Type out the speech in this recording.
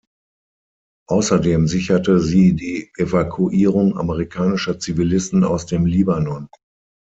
Außerdem sicherte sie die Evakuierung amerikanischer Zivilisten aus dem Libanon.